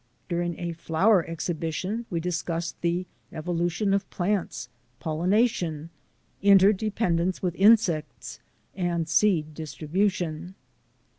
During a flower exhibition we discussed the evolution of plants, pollination, interdepen dence with insects, and seed distribution.